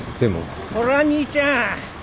おら兄ちゃん！